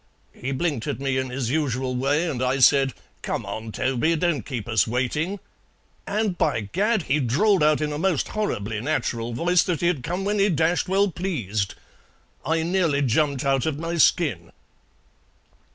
He blinked at me in his usual way, and I said, 'Come on, Toby; don't keep us waiting;' and, by Gad! he drawled out in a most horribly natural voice that he'd come when he dashed well pleased! I nearly jumped out of my skin!"